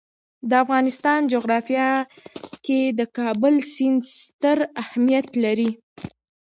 د افغانستان جغرافیه کې د کابل سیند ستر اهمیت لري.